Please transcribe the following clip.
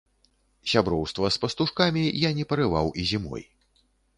Сяброўства з пастушкамі я не парываў і зімой.